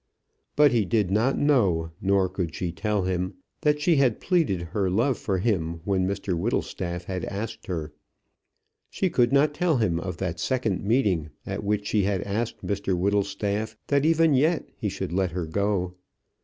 But he did not know, nor could she tell him, that she had pleaded her love for him when Mr Whittlestaff had asked her. She could not tell him of that second meeting, at which she had asked Mr Whittlestaff that even yet he should let her go.